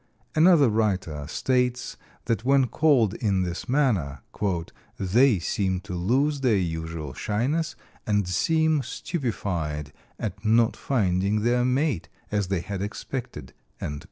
Another writer states that when called in this manner, "they seem to lose their usual shyness and seem stupefied at not finding their mate, as they had expected."